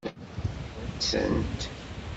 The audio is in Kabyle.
Ad t-wansent?